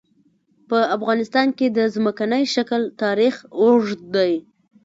په افغانستان کې د ځمکنی شکل تاریخ اوږد دی.